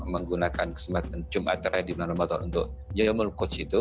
menggunakan jumat terhadap menurut saya untuk yom kutub itu